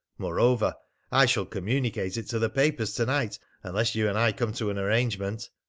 Moreover, I shall communicate it to the papers to night unless you and I come to an arrangement.